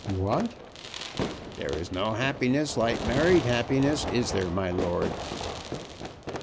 "What!" "There's no happiness like married happiness; is there, my lord?"